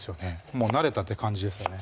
もう慣れたって感じですよね